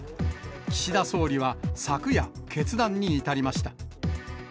岸田総理は昨夜、決断に至りました。